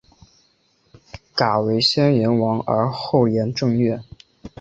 曷为先言王而后言正月？